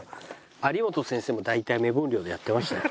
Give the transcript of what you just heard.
有元先生も大体目分量でやってましたよ。